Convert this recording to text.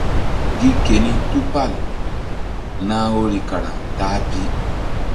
Gi keni tupal nah woyri kara ta-a pi.